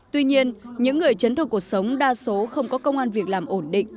tuy nhiên những người chấn thương cuộc sống đa số không có công an việc làm ổn định